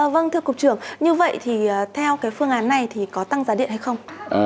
vâng thưa cục trưởng như vậy thì theo phương án này có tăng giá điện hay không